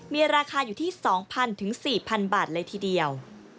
มีราคาอยู่ที่๒๐๐๔๐๐บาทเลยทีเดียว